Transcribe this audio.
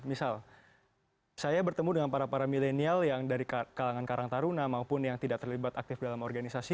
misal saya bertemu dengan para para milenial yang dari kalangan karang taruna maupun yang tidak terlibat aktif dalam organisasi